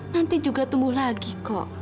nanti juga tumbuh lagi kok